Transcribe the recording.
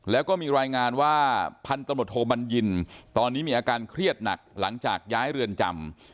แล้วก็มีรายงานว่าพันธุ์ตำรวจโทบัญญินตอนนี้มีอาการเครียดหนักหลังจากย้ายเรือนจำ